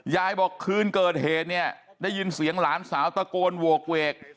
ยายบอกคืนเกิดเหตุเนี่ยได้ยินเสียงหลานสาวตะโกนโหกเวก